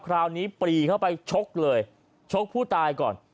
คราวนี้ปรีเข้าไปชกเลยชกผู้ตายก่อน